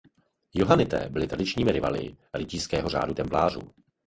Johanité byli tradičními rivaly rytířského řádu templářů.